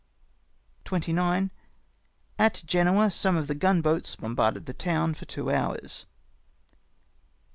"29. — At Genoa some of the gun boats bombarded the town for two hours.